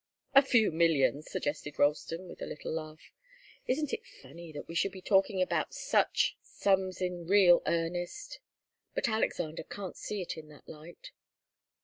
"A few millions," suggested Ralston, with a little laugh. "Isn't it funny that we should be talking about such sums in real earnest? But Alexander can't see it in that light."